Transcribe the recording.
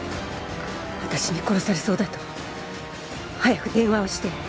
私に殺されそうだと早く電話をして。